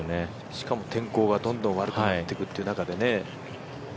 しかも、天候がどんどん悪くなっていくという中でね。